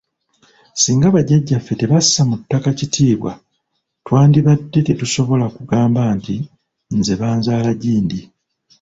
Singa bajjajjaffe tebassa mu ttaka kitiibwa twandibadde tetusobola kugamba nti nze banzaala gindi.